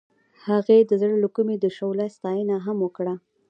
هغې د زړه له کومې د شعله ستاینه هم وکړه.